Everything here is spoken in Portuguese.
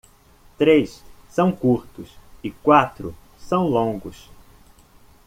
Três são curtos e quatro são longos.